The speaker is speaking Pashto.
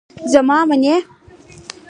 زما منی.